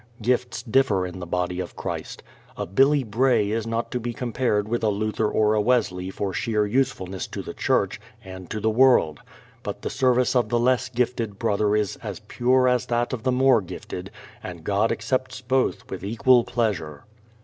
Gifts differ in the body of Christ. A Billy Bray is not to be compared with a Luther or a Wesley for sheer usefulness to the Church and to the world; but the service of the less gifted brother is as pure as that of the more gifted, and God accepts both with equal pleasure.